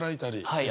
はい。